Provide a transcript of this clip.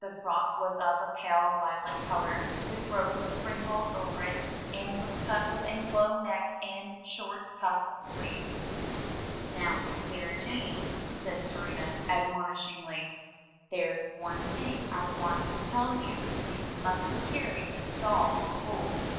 86 THROUGH FAIRY HALLS frock was of a pale lilac color with roses sprinkled over it, and was cut with a low neck and short puffed sleeves. "Now, Sarah Jane," said Serena admonishingly, "there's one thing I want to tell you: you mustn't carry this doll to school.